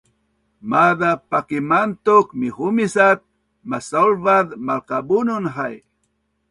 Maaz a pakimantuk mihumis at masaulvaz malkabunun hai